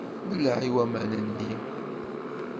Belleɛ i waman-nni!